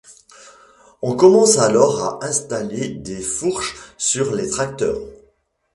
On commence alors à installer des Fourches sur les tracteurs.